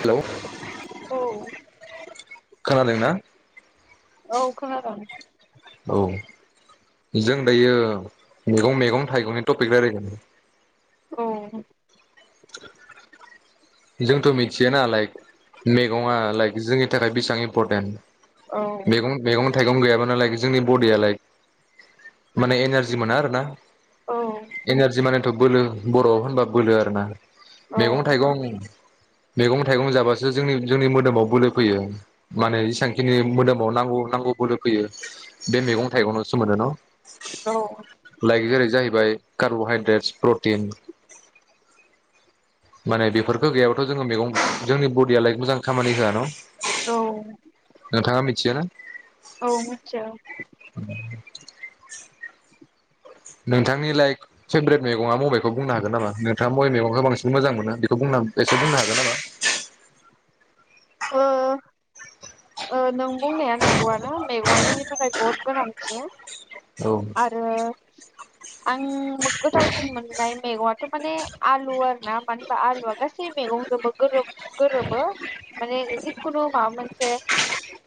Hello औ खोनादोंना औ खोनादों औ जों दायो मैगं मैगं थाइगंनि टपिक रायलायगोन औ जोंथ' मिथिया नालाय मैगङा लाइक जोंनि थाखाय बेसेबां इम्परटेन्ट औ मैग मैगं थाइगं गैयाबोनो जोंनि बडिया लाइ माने एनारजि मोना आरोना एनारजि माने थ' बोलो बर'आव होनबा बोलो आरोना मैगं औ थाइगं मैगं थाइगं जाबासो जोंनि जोंनि मोदोमाव बोलो फैयो। माने इसांखिनि मोदोमाव नांगौ नांगौ बोलो फैयो बे मैगं थाइगंनावसो मोनो न। औ लाइक जेरै जाहै लाइक कार्ब'हाइड्रेट प्रटिन माने बेफोरखौ गैयाब्लााथ जोङो मैगं जोंनि बडिया लाइक मोजां खामानि होया न? औ नोंथाङा मिथियो ना? औ मिथिया। [inaudible] नोंथांनि लाइक पेभ्रेट मैगंया मबे? खौ बुंनो हागोन नामा? नोंथाङा बबे मैगंखौ बांसिन मोजां मोनो बेखौ बुं बुंनो एसे बुंनो हागोन नामा? ओ ओ नों बुंनाया नंगौआनो मैगंआ जोंनि थाखाय बहुद गोनांथि। औ आरो आं गोथावसिन मोननाय मेगंया थ माने आलु आरो ना। मानो होनबा आलुया गासै मैगंजोंबो गोरोब गोरोबो। माने जिखुनु माबा मोनसे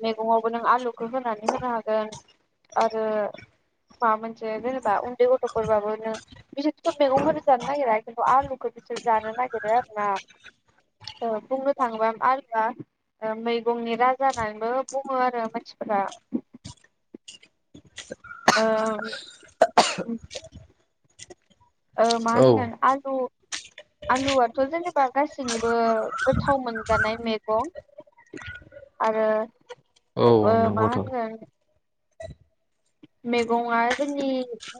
मैगङावबो नों आलुखौ होनानै होनो हागोन आरो माबा मोनसे जेनेबा उन्दै गथफोरबाबो नों बिसोरथ मैगंखौनो जानो नागिरा खिन्थु आलुखौ बिसोर जानो नागिरो आरो ना बुंनो थाङोबा आलु या मैगंनि राजा होननानैबो बुङो आरो मानसिफोरा। ओ ओ मा औ होनगोन आलु आलुआथ जेनेबा गासैनिबो गोथाव मोनजानाय मेगं आरो औ ओ मा नंगौथ' औ होनगोन मेगंआ जोंनि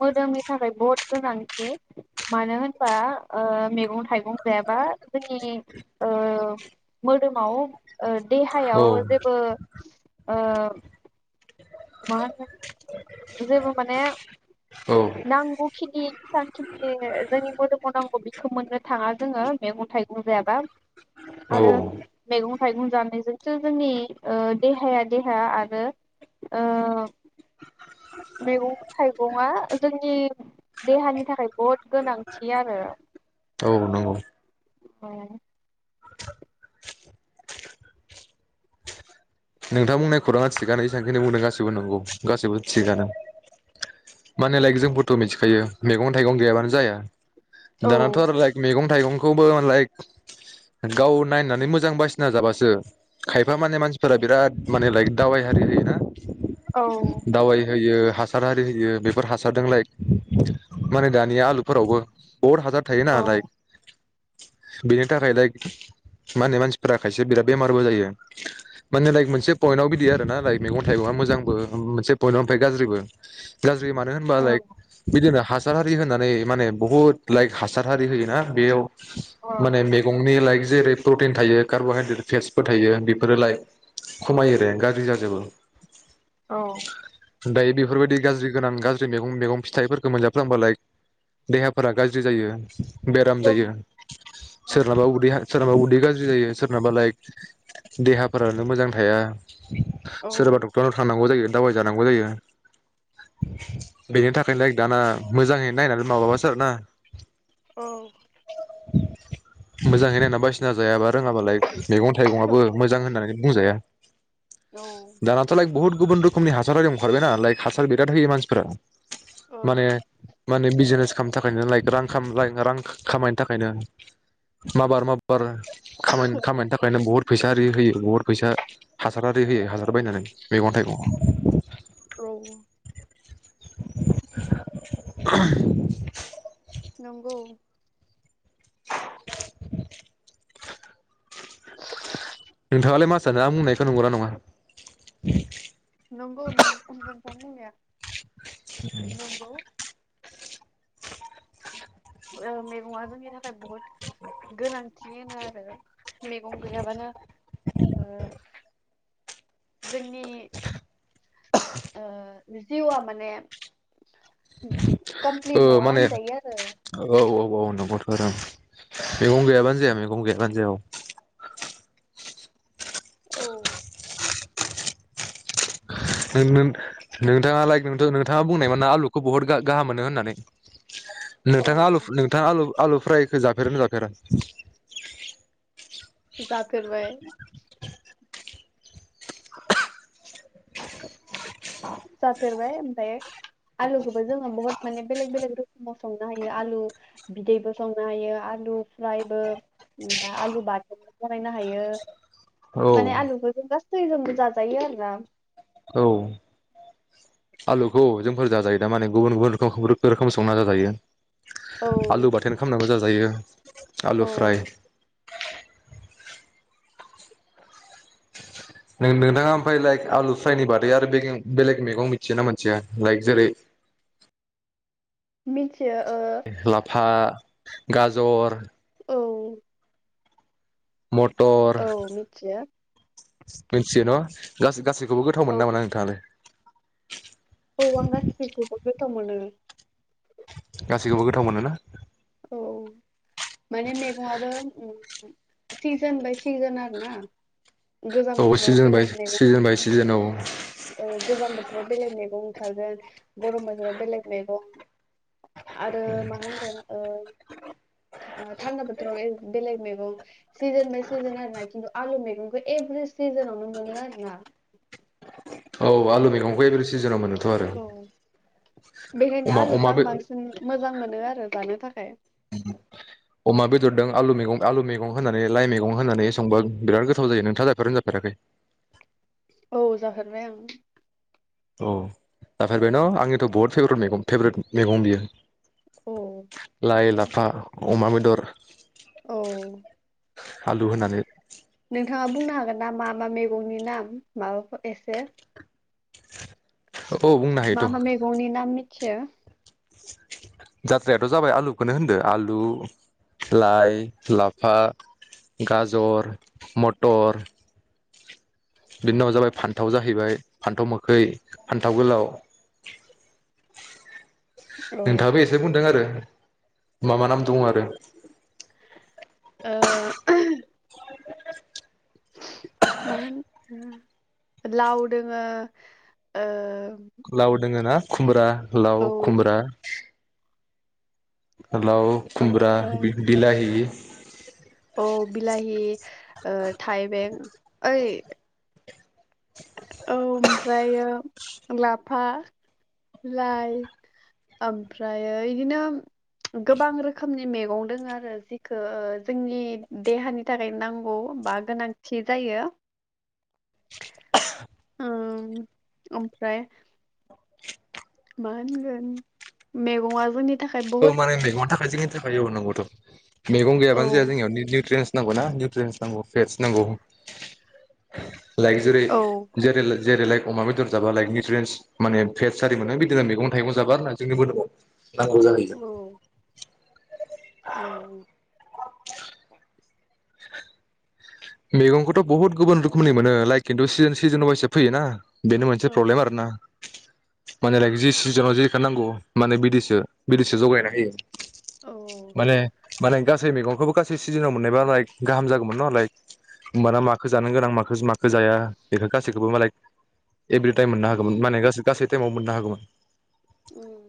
मोदोमनि थाखाय बहुत गोनांथि। मानो होनबा ओ मेगं थाइगं जायाबा जोंनि ओ मोदोमाव ओ देहायाव जेबो ओ मा होनो जेबो माने औ नांगौखिनि बेसेबांखिनि जोंनि मोदोमाव नांगौ बेखौ मोननो थाङा जोङो मेगं थाइगं जायाबा औ आरो मेगं थाइगं जानायजोंसो जोंनि ओ देहाया देहाया आरो ओ मैगं थाइगंआ जोंनि देहानि थाखाय बहुद गोनांथि आरो औ नंगौ अ नोंथां बुंनाय खौराङा थिगानो एसांखिनो बुंदों गासैबो नंगौ गासैबो थिगानो माने लायक जोंबोथ मिथिखायो मेगं थाइगं गैयाबानो जाया। औ दानाथा आरो लायक मेगं थाइगंखौबो लाइक गाव नायनानै मोजां बासिना जाबासो खायफा माने मानसि फोरा बिराद माने लाइक दावाइ हारि होयोना। दावाइ होयो हासारआरि होयो। बेफोर हासारदों लाइक माने दानिया आलुफोरावबो बहत हाजार थायो ना औ लाइक बेनि थाखाय लाइक मा होनो मानसिफोरा खायसे बिराद बेमारबो जायो। माने लाइक मोनसे पयन्टाव बिदि आरो ना लाइक मैगं थाइगंया मोजांबो मोनसे पयन्टाव ओमफ्राय गाज्रिबो। गाज्रि मानो होनोबा औ लाइक बिदिनो हा सार हारि होननानै माने बहुद लाइक हासार हारि होयोना बेयाव औ माने मैगंनि लाइक जेरै प्रटिन थायो कार्बहाइद्रेट फेस्थफोर थायो। बेफोरो लाइक खमायो रे गाज्रि जाजोबो। औ दायो बेफोरबायदि गाज्रि गोनां गाज्रि मेगं मेगं फिथाइफोरखौ मोनजाफ्लांबालाय देहाफोरा गाज्रि जायो। बेराम औ जायो औ सोरनाबा उदै हा सोरनाबा उदै गाज्रि जायो सोरनाबा लाइ देहाफो रानो मोजां थाया सोरबा डक्टरनाव थांनांगौ जायो दावाय जानांगौ जायो बेनि थाखायनो लाइक दाना मोजाङै नायनानै माबाबासो आरो ना औ मोजांहै नायना बासिना जायाबा रोङा बालाय मैगं थाइगंआबो मोजां होननानै जाया औ दानाथ' लाइक बहुत गुबुन रोखोमनि हासार हारि अंखारबायना लाइक हासार बिराद होयो मानसिफोरा माने माने बिजनेस खामनो थाखायनो लाइक रां खाम रां खामायनो थाखायनो माबार माबार खाम खामायनो थाखाय नो बुहुद फैसा आरि होयो अर फैसा हासार आरि होयो हासार बायनानै मैगं थाइगंआव औ औ [unintelligible] नंगौ नोंथाङालाय मा सानो आं बुंनायखौ नंगौना नङा नंगौ नंगौ नोंथां बुंनाया नंगौ ओ मेगङा जोंनि था खाय बहत गोनां [unintelligible] होनो आरो मेगं गैयाबानो ओ जोंनि [unintelligible] जिआ माने ओ कमप्लित नङा माने होनजायो आरो औ औ औ नंगौथ' आरो मैगं गैयाबानो जाया मैगं गैयाबानो जाया औ औ नों-नों- नोंथाङा लाइक नोंथाङा बुंनायमोन ना आलुखौ बुहुत गा-गाहाम मोनो होननानै औ नोंथाङा आलु नोंथाङा आलु-आलु फ्रायखौ जाफेरोना जाफेरा जाफेरबाय [unintelligible] जाफेरबाय ओमफाय आलुखौबो जोङो बहुत माने बेलेग बेलेग रोखोमाव संनो हायो आलु बिदैबो संनो हायो आलु फ्रायबो बा आलु बाथोनबो बानायनो हायो औ माने आलुखौ जों गासै जोंबो जाजायो आरोना औ आलुखौ जोंफोर जाजायो दा माने गुबुन गुबुन रोखोम रोखोम संना जाजायो औ आलु बाथोन खालामनाबो जाजायो औ आलु फ्राय नों-नोंथाङा ओमफाय लाइक आलु फ्रायनि बादै आरो बेगें- बेलेग मैगं मिथियो ना मिथिया लाइक जेरै मिथि लाफा गाजर औ मटर औ मिथियो मिनथियो न'? गासै गासै गोथाव औ मोनो ना मोना नोंथाङालाय? औ आं गासिबखौबो गोथाव मोनो गासैखौबो गोथाव मोनोना? औ माने मैगंआबो सिजोन बाय सिजोन आरोना औ सिजोन बाय सिजोन बाय सिजोन औ [inaudible] औ गोजां बोथोराव बेलेग मैगं ओंखारगोन गरम बोथोराव बेलेग मैगं आरो मा होनगोन ओ थान्दा बोथोराव बेलेग मैगं सिजोन बाय सिजोन आरोना खिन्थु आलु मैगंखौ एभ्रि सिजोनावनो मोनो आरोना औ आलु मैगंखौ एभ्रि सिजोनाव मोनो औ बेखायनो अमा आलुखौ अमा बे आं बांसिन मोजां मोनो आरो जानो थाखाय अमा आलु मेगं आलु मैगं होनानै लाइ मैगं होनानै संबा बिराद गोथाव जायो नोंथाङा जाफेरदोंना जाफेराख औ जाफेरबाय आं औ जाफेरबाय न'? आंनिथ' बहुत फेभरेट मैगं फेभरेट मैगं बियो औ लाइ लाफा अमा बेदर औ आलु होनानै मामैगंनि नाम माबाखौ एसे औ बुंनो मा हायोथ' मा मेगंनि नाम मि मिथियो जाथ्रायाथ' जाबाय आलुखौनो होनदो आलु लाइ लाफा गाजर मथर बिनि उनाव जाबाय फान्थाव जाहैबाय फान्थाव मोखै फान्थाव गोलाव होनो नोंथाङाबो एसे बुंदों आरो मा मा नाम दं आरो ओ [unintelligible] [inaudible] मा होन ओ लाव दोङो ओ लाव दोङो ना खुमब्रा लाव ओ खुमब्रा लाव, औ खुमब्रा, बिलाहि अ बिलााहि, ओ थाइबें ओइ औ ओमफ्रायो लाफा लाइ ओमफ्रायो इदिनो गोबां रोखोमनि मैगं दों आरो जिखो जोंनि देहानि थाखाय नांगौ बा गोनांथि जायो। [inaudible] ओमफ्राय मा होनगोन मेगंआ जोंनि थाखाय औ बहुद माने मेगंनि थाखाय जोंनि थाखाय औ नंगौथ'। मेगं औ गैयाबानो जाया जोंनियाव निउट्रेन्स नांग ना निउट्रेनस नांगौ। [unintelligible] नांगौ लाइक जेरै औ जेरै जेरै लाइक अमा बेदर जाबा लाइक निउट्रेन्स माने फेटस आरि मोनो बिदिनो मैगं थाइगं जाबा आरोना जोंनि मोदोमाव नांगौ जायो। औ [unintelligible] औ [unintelligible] मैगंखौथ' बहुत गुबुन रोखोमनि मोनो लाइक खिन्थु सिजोन वाइसो फैयोना। बेनो मोनसे औ प्रब्लेम आरो ना। माने लाइक जि सिजोनाव जिखो नांगौ माने बिदिसो बिदिसो जगायना होयो। औ माने माने गासै मैगंखौबो गासै सिजोनाव मोननायबा लाइक गाहाम जागौमोन ना लाइक होमबाना माखो जानो गोनां म माखो जाया बेखो गासैखोबो लाइक एभ्रि टाइम मोननो हागोमोन माने गासै गासै टाइमाव मोननो हागौमोन। उम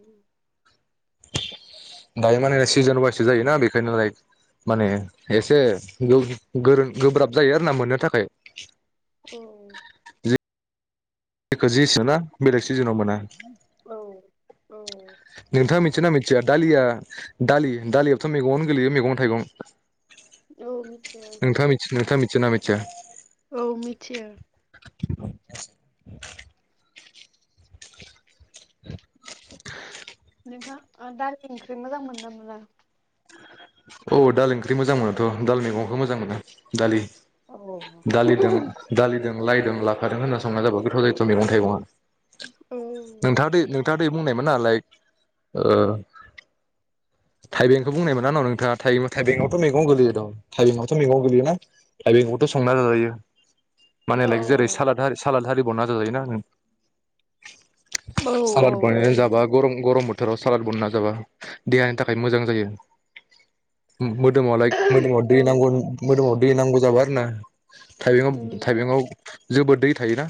दायो माने सिजोन वाइससो जायोना बेखायनो लाइक माने एसे गोरों गोब्राब जायो आर ना मोननो थाखाय। औ बेखौ जे [unintelligible] बेलेग सिजोनाव मोना। औ औ नोंथाङा मिथिना मिथिया दालिया दालि दालियाथ' मेगंआवनो गोलैयो मेगं थाइगं। औ मिथिया। मियोना मिथिया औ मिथियो [unintelligible] [unintelligible] [unintelligible] नोंथाङा दालि ओंख्रि मोजां मोनो ना मोना औ दाल ओंख्रि मोजां मोनोाथ' दाल मैगंखौ मोजां मोनो दालि दालि दों दालि दों लायदों लाफादों होनना संना जाबाय गोथाव जायोथ' मैगं थाइगङा औ नोंथाङादि नोंथाङा बै बुंनायमोन लाइ ओ थाइबेंखौ बुंनायमोन आंनावों [unintelligible] थाइ थाइबेंआवथ' मैगं गोलैयो दं थाइबेंआवथ' मैगं गोलैयोना थाइबेंआवथ' संना जाजायो माने औ लाइक जेरै साला सालादारि [unintelligible] जायोना ना औ सालाद बानायानो जाबा गरम गरम बोथोराव सालाद बनना जाबा देहानि थाखाय मोजां जायो मोदोमाव लाइक मोदोमाव दै औ नांगौ मोदोमाव दै नांगौ जाबाय होना थाइबेंयाव उम थाइबेंयाव जोबोद दै थायोना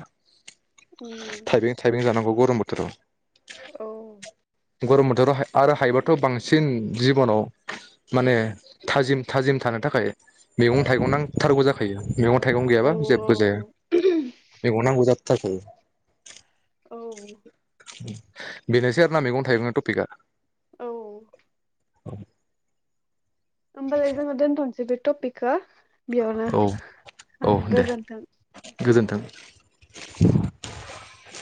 औ थाइबें थाइबें जानांगौ ग रम बोथोराव औ गरम बोथोराव आरो हायोबाथ बांसिन जिबनाव माने थाजिम थाजिम थानो थाखाय मैगं थाइगं नांथारगौ जाखायो मैगं थाइगं औ गैयाबा जेबो जाया मैगं नांगौ जा थै [unintelligible] औ बेनोसै आरो ना मैगं थाइगंनि टपिका औ औ टपिका बेयावनो औ औ दे गोजोनथों गोजोन्थों